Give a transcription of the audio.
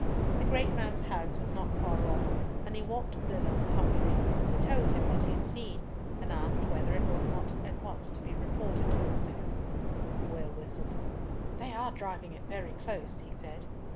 The great man's house was not far off, and he walked thither with Humfrey, who told him what he had seen, and asked whether it ought not at once to be reported to Walsingham. Will whistled. "They are driving it very close," he said.